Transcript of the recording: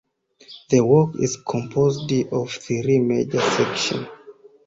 The work is composed of three major sections.